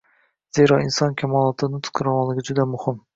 Zero, inson kamolotida nutq ravonligi juda muhim.